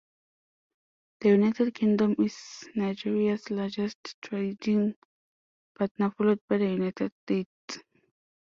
The United Kingdom is Nigeria's largest trading partner followed by the United States.